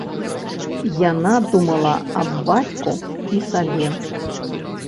Яна думала аб бацьку і сабе.